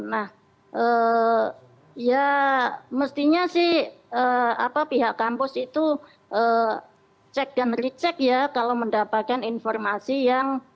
nah ya mestinya sih pihak kampus itu cek dan recek ya kalau mendapatkan informasi yang